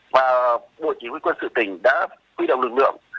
và bộ chỉ huy quân sự tỉnh đã huy động lực lượng